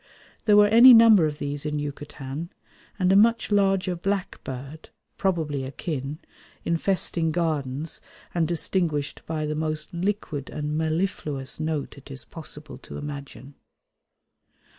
There were any number of these in Yucatan, and a much larger black bird, probably akin, infesting gardens and distinguished by the most liquid and mellifluous note it is possible to imagine.